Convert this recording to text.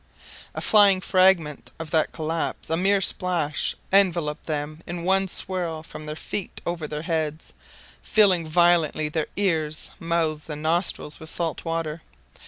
A flying fragment of that collapse, a mere splash, enveloped them in one swirl from their feet over their heads, filling violently their ears, mouths and nostrils with salt water.